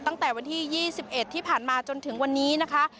ตั้งแต่วันที่๒๑ที่ผ่านมาจนถึงวันนี้นะคะ